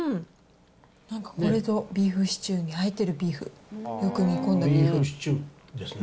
なんかこれぞビーフシチューに入ってるビーフ、よく煮込んだビーフシチューですね。